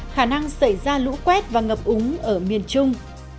khả năng xảy ra lũ quét và ngập úng ở miền trung